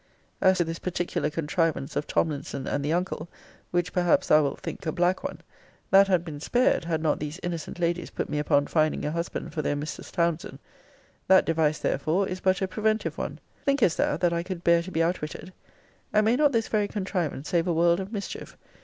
As to this particular contrivance of Tomlinson and the uncle, which perhaps thou wilt think a black one; that had been spared, had not these innocent ladies put me upon finding a husband for their Mrs. Townsend: that device, therefore, is but a preventive one. Thinkest thou that I could bear to be outwitted? And may not this very contrivance save a world of mischief?